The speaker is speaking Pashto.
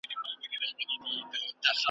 زما له لوري یې خبر کړی محتسب او ملاجان `